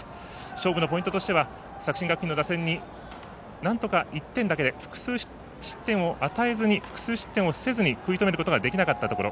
勝負のポイントとしては作新学院の打線になんとか１点だけで複数失点をせずに食い止めることができなかったところ。